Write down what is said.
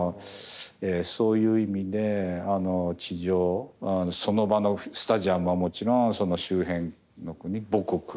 そういう意味で地上その場のスタジアムはもちろん周辺の国母国